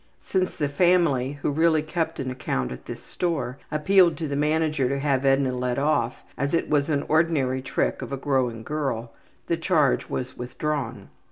Since the family, who really kept an account at this store, appealed to the manager to have Edna let off as it was an ordinary trick of a growing girl, the charge was withdrawn.